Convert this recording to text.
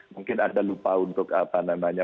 mungkin anda lupa untuk apa namanya